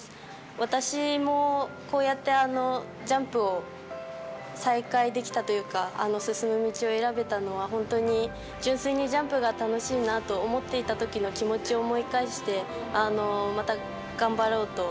私もこうやってジャンプを再開できたというか、進む道を選べたのは、本当に純粋にジャンプが楽しいなと思っていたときの気持ちを思い返して、また頑張ろうと。